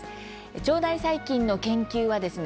腸内細菌の研究はですね